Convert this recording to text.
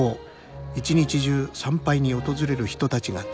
一日中参拝に訪れる人たちが絶えない」。